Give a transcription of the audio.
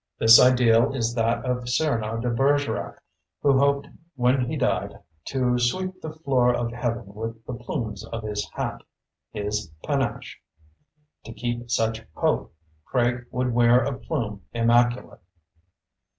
This ideal is that of Cyrano de Bergerac, who hoped when he died "to sweep the floor of heaven with the plumes of his hat — ^his pa nache"; to keep such hope, Craig would wear a plume immaculate.